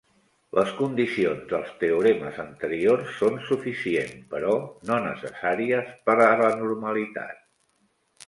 Les condicions dels teoremes anteriors són suficient, però no necessàries per a la normalitat.